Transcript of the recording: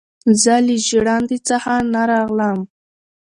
ـ زه له ژړندې نه راغلم،